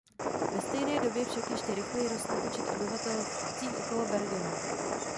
Ve stejné době však ještě rychleji rostl počet obyvatel v obcích okolo Bergenu.